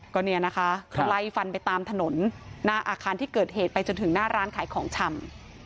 ก็เนี่ยนะคะก็ไล่ฟันไปตามถนนหน้าอาคารที่เกิดเหตุไปจนถึงหน้าร้านขายของชำ